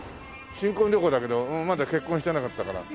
新婚旅行だけどまだ結婚してなかったから。